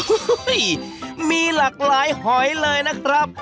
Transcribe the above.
โอ้โหมีหลากหลายหอยเลยนะครับ